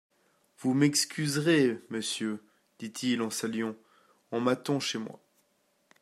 Vous m'excuserez, monsieur, dit-il en saluant, on m'attend chez moi.